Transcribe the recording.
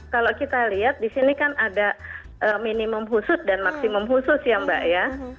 kalau kita lihat di sini kan ada minimum khusus dan maksimum khusus ya mbak ya